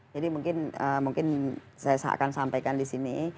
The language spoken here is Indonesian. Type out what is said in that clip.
jadi mungkin saya akan sampaikan disini